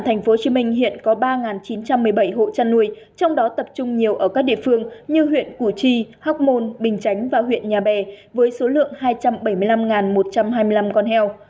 tp hcm hiện có ba chín trăm một mươi bảy hộ chăn nuôi trong đó tập trung nhiều ở các địa phương như huyện củ chi hóc môn bình chánh và huyện nhà bè với số lượng hai trăm bảy mươi năm một trăm hai mươi năm con heo